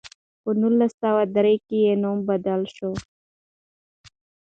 په نولس سوه درې کې یې نوم بدل شو.